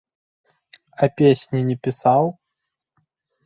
А песні не пісаў?